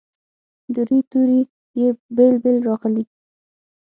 د روي توري یې بیل بیل راغلي.